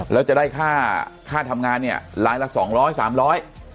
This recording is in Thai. แล้วจะได้ค่าค่าทำงานเนี่ยรายละสองร้อยสามร้อย